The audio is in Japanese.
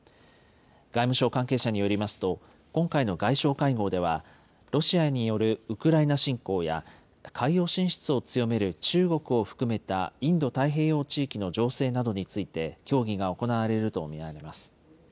外務省関係者によりますと、今回の外相会合では、ロシアによるウクライナ侵攻や、海洋進出を強める中国を含めたインド太平洋地域の情勢などについて協議が行われると見られます。